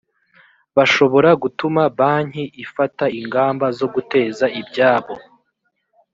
bashobora gutuma banki ifata ingamba zo guteza ibyabo